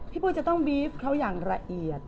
ปุ้ยจะต้องบีฟเขาอย่างละเอียด